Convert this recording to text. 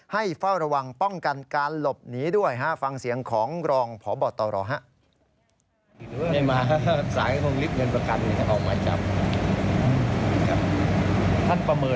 เฝ้าระวังป้องกันการหลบหนีด้วยฟังเสียงของรองพบตรครับ